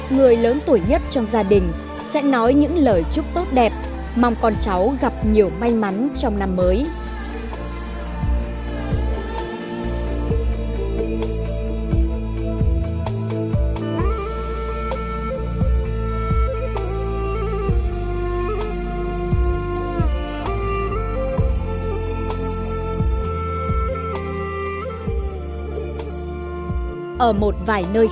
người lớn tuổi nhất trong gia đình sẽ nói những lời chúc tốt đẹp mong con cháu gặp nhiều may mắn trong năm mới